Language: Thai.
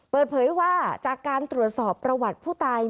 เปิดเผยว่าจากการตรวจสอบประวัติผู้ตาย